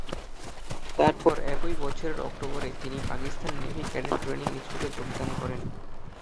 তারপর একই বছরের অক্টোবরে তিনি পাকিস্তান নেভি ক্যাডেট ট্রেনিং স্কুলে যোগদান করেন।